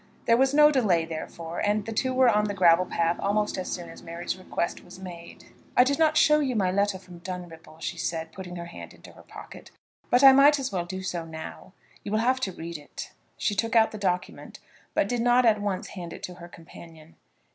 There was no delay therefore, and the two were on the gravel path almost as soon as Mary's request was made. "I did not show you my letter from Dunripple," she said, putting her hand into her pocket; "but I might as well do so now. You will have to read it." She took out the document, but did not at once hand it to her companion.